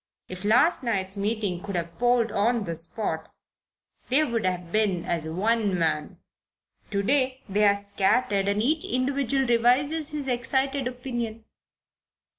If last night's meeting could have polled on the spot, they would have been as one man. To day they're scattered and each individual revises his excited opinion.